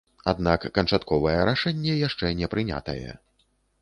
Аднак канчатковае рашэнне яшчэ не прынятае.